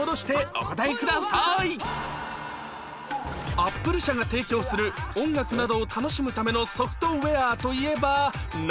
Ａｐｐｌｅ 社が提供する音楽などを楽しむためのソフトウェアといえば何？